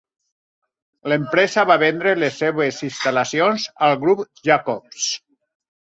L'empresa va vendre les seves instal·lacions al Grup Jacobs.